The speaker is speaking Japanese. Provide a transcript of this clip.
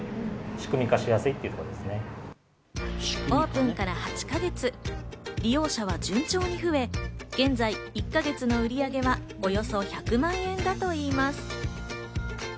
オープンから８か月、利用者は順調に増え、現在１か月の売り上げはおよそ１００万円だといいます。